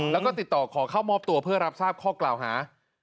แล้วก็ติดต่อขอเข้ามอบตัวเพื่อรับทราบข้อกล่าวหา